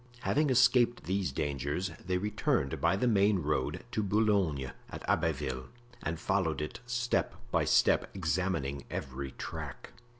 Having escaped these dangers, they returned by the main road to Boulogne, at Abbeville, and followed it step by step, examining every track.